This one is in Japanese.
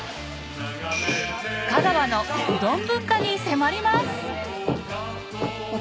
香川のうどん文化に迫ります！